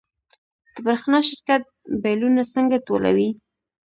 د برښنا شرکت بیلونه څنګه ټولوي؟